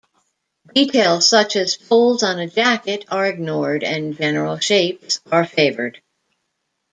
Details such as folds on a jacket are ignored, and general shapes are favored.